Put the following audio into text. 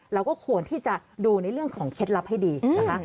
เราก็ควรที่จะดูในเรื่องของเคล็ดลับให้ดีนะคะ